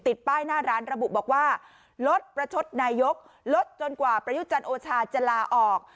ป้ายหน้าร้านระบุบอกว่าลดประชดนายกลดจนกว่าประยุจันทร์โอชาจะลาออก